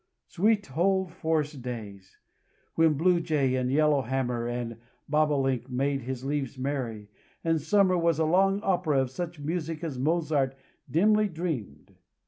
Sweet old forest days! when blue jay, and yellow hammer, and bobalink made his leaves merry, and summer was a long opera of such music as Mozart dimly dreamed.